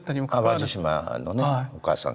淡路島のねお母さんが。